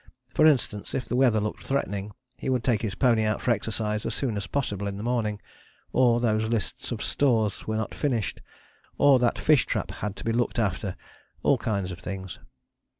For instance, if the weather looked threatening, he would take his pony out for exercise as soon as possible in the morning, or those lists of stores were not finished, or that fish trap had to be looked after: all kinds of things.